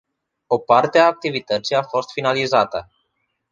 O parte a activității a fost finalizată.